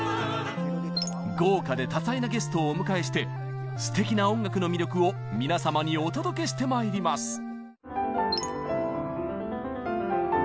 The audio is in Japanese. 豪華で多彩なゲストをお迎えしてすてきな音楽の魅力を皆様にお届けしてまいります！